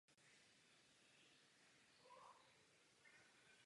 Má příjemnou vůni a chuť.